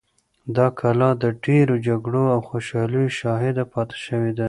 دا کلا د ډېرو جګړو او خوشحالیو شاهده پاتې شوې ده.